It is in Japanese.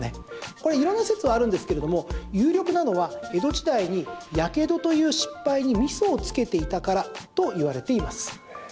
これ色んな説があるんですけども有力なのは江戸時代にやけどという失敗にみそをつけていたからといわれています。